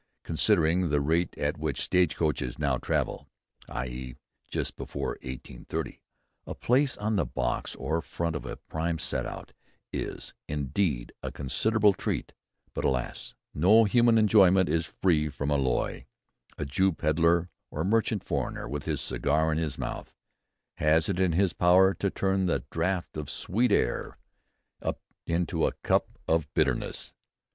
considering the rate at which stage coaches now travel [i.e. in and just before 1830] ... a place on the box or front of a prime set out is, indeed, a considerable treat. But alas! no human enjoyment is free from alloy. A Jew pedlar or mendicant foreigner with his cigar in his mouth, has it in his power to turn the draft of sweet air into a cup of bitterness."